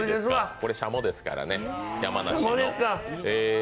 これ、軍鶏ですからね、山梨の。